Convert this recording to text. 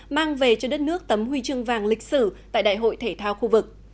mang về cho đất nước tấm huy chương vàng lịch sử tại đại hội thể thao khu vực